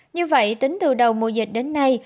như vậy tính từ đầu mùa dịch đến nay